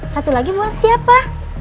satu lagi buat siapa